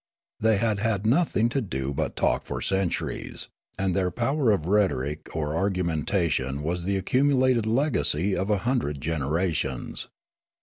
They had had nothing to do but talk for centuries ; and their power of rhetoric or argumentation was the accumu lated legacy of a hundred generations.